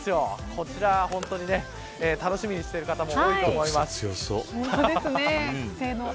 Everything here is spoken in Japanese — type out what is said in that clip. こちら本当に楽しみにしている方も多いと思います。